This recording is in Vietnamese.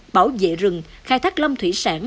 bảo vệ rừng khai thác lâm thủy sản